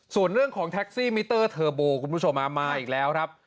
ส่วนเรื่องของแท็กซี่มิเตอร์เทอร์โบคุณผู้ชมมาอีกแล้วครับ